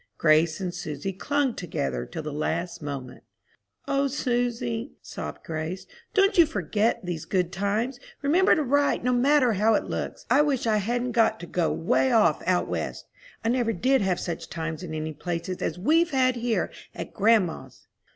Grace and Susy clung together till the last moment. "O Susy," sobbed Grace, "don't you forget these good times! Remember to write, no matter how it looks. I wish I hadn't got to go 'way off out West. I never did have such times in any place as we've had here at grandma's."